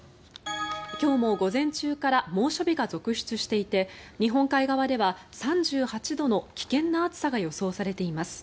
今日も午前中から猛暑日が続出していて日本海側では３８度の危険な暑さが予想されています。